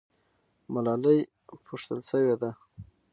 ملالۍ پوښتل سوې ده.